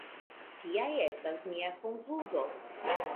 Tia estas mia konkludo.